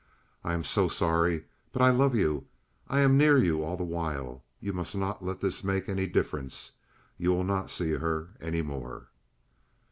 I am so sorry; but I love you. I am near you all the while. You must not let this make any difference. You will not see her any more."